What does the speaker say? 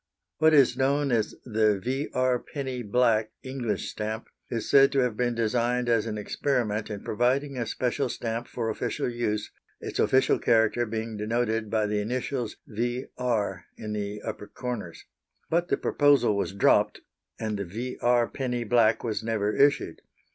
What is known as the V.R. Penny black, English stamp, is said to have been designed as an experiment in providing a special stamp for official use, its official character being denoted by the initials V.R. in the upper corners; but the proposal was dropped, and the V.R. Penny black was never issued.